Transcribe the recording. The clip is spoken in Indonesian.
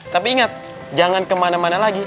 tapi ingat jangan kemana mana lagi